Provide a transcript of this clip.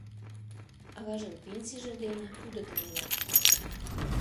Аважын пенсийже дене кудытын илат.